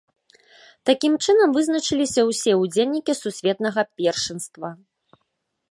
Такім чынам вызначыліся ўсе удзельнікі сусветнага першынства.